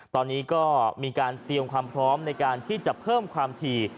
ตอนนี้ก็มีการเตรียมความพร้อมในการที่จะเพิ่มความถี่